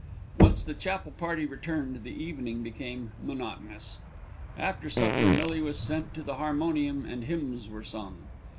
Once the chapel party returned, the evening became monotonous. After supper Millie was sent to the harmonium and hymns were sung.